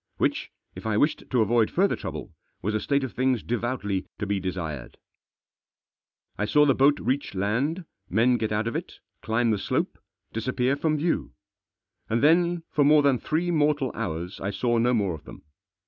Which, if I wished to avoid further trouble, was a state of things devoutly to be desired. I saw the boat reach land, men get out of it, climb the slope, disappear from view. And then, for more than three mortal hours, I saw no more of them.